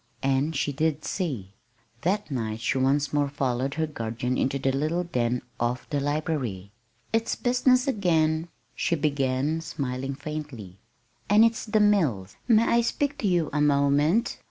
And she did see. That night she once more followed her guardian into the little den off the library. "It's business again," she began, smiling faintly; "and it's the mills. May I speak to you a moment?"